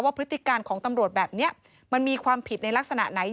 พฤติการของตำรวจแบบนี้มันมีความผิดในลักษณะไหน